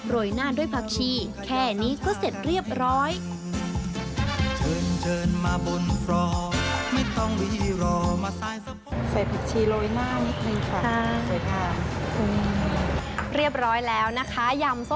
ยหน้าด้วยผักชีแค่นี้ก็เสร็จเรียบร้อย